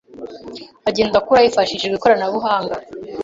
agenda akura hifashishijwe ikoranabuhanga